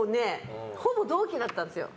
ほぼ同期だったんですよ。